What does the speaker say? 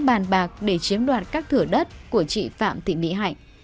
bàn bạc để chiếm đoạt các thửa đất của chị phạm thị mỹ hạnh